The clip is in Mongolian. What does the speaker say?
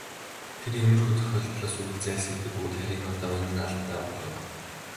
Тэр иймэрхүү тохиолдлоос үргэлж зайлсхийдэг бөгөөд харин энэ удаа энэ нь алдаа болов.